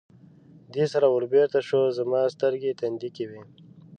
دې سره ور بېرته شو، زما سترګې تندې کې وې.